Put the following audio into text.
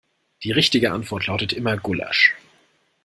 Die richtige Antwort lautet immer Gulasch.